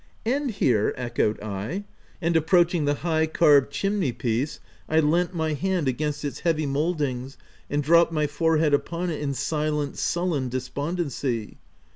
"End here!" echoed I; and approaching the high, carved chimney piece, I leant my hand against its heavy mouldings, and dropped my forehead upon it in silent, sullen despondency.